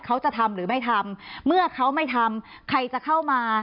เขาจะทำหรือไม่ทำเมื่อเขาไม่ทำใครจะเข้ามา